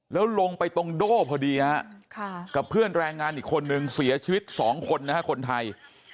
แล้วลงไปตรงโด่พอดีฮะกับเพื่อนแรงงานอีกคนนึงเสียชีวิต๒คนนะฮะคนไทย